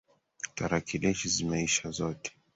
Tarakilishi zimeisha zote.